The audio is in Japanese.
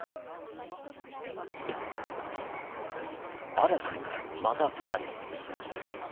新たに、また２人。